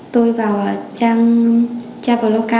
tôi vào trang traveloka